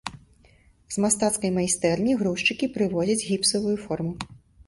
З мастацкай майстэрні грузчыкі прывозяць гіпсавую форму.